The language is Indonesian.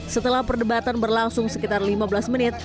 setelah perdebatan berlangsung sekitar lima belas menit